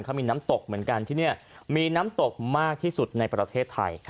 เขามีน้ำตกเหมือนกันที่นี่มีน้ำตกมากที่สุดในประเทศไทย